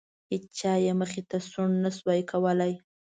هیچا یې مخې ته سوڼ نه شو کولی.